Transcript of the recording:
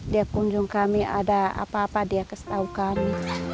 dia kunjung kami ada apa apa dia kasih tahu kami